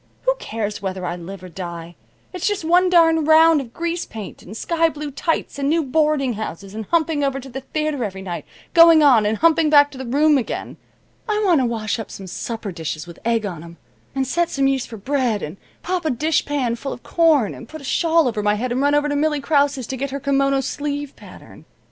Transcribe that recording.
Who cares whether I live or die? It's just one darned round of grease paint, and sky blue tights, and new boarding houses and humping over to the theater every night, going on, and humping back to the room again. I want to wash up some supper dishes with egg on 'em, and set some yeast for bread, and pop a dishpan full of corn, and put a shawl over my head and run over to Millie Krause's to get her kimono sleeve pattern.